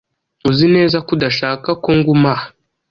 Uzi neza ko udashaka ko nguma aha?